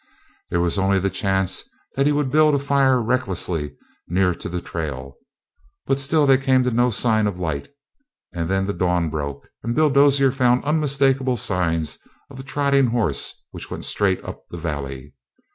There was only the chance that he would build a fire recklessly near to the trail, but still they came to no sign of light, and then the dawn broke and Bill Dozier found unmistakable signs of a trotting horse which went straight up the valley.